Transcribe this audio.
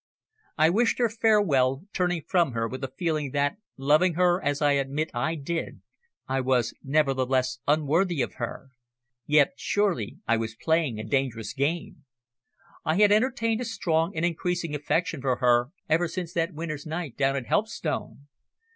I wished her farewell, turning from her with a feeling that, loving her as I admit I did, I was nevertheless unworthy of her. Yet surely I was playing a dangerous game! I had entertained a strong and increasing affection for her ever since that winter's night down at Helpstone.